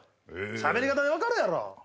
しゃべり方でわかるやろ。